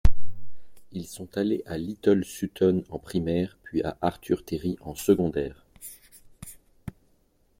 Ils sont allés à Little Sutton en primaire puis à Arthur Terry en secondaire.